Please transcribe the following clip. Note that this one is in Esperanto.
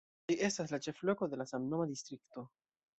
Ĝi estas la ĉefloko de la samnoma distrikto.